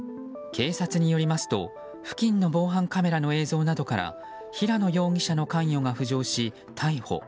警察によりますと付近の防犯カメラの映像などから平野容疑者の関与が浮上し、逮捕。